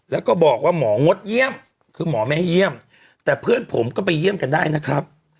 แล้วก็บอกว่าหมองดเยี่ยมคือหมอไม่ให้เยี่ยมแต่เพื่อนผมก็ไปเยี่ยมกันได้นะครับ